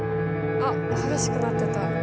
あっ激しくなってった。